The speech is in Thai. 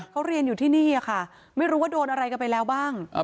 เขาเรียนอยู่ที่นี่ค่ะไม่รู้ว่าโดนอะไรกันไปแล้วบ้าง